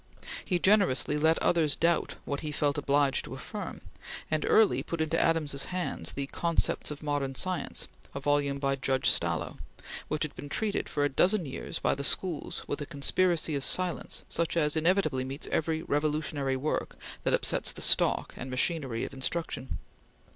He generously let others doubt what he felt obliged to affirm; and early put into Adams's hands the "Concepts of Modern Science," a volume by Judge Stallo, which had been treated for a dozen years by the schools with a conspiracy of silence such as inevitably meets every revolutionary work that upsets the stock and machinery of instruction.